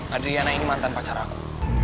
adriana ini mantan pacar aku